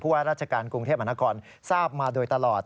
ว่าราชการกรุงเทพมหานครทราบมาโดยตลอด